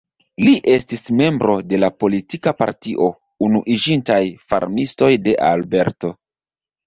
Li estis membro de la politika partio Unuiĝintaj Farmistoj de Alberto.